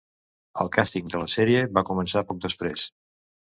El càsting de la sèrie va començar poc després.